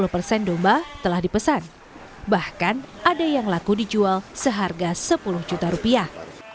lima puluh persen domba telah dipesan bahkan ada yang laku dijual seharga sepuluh juta rupiah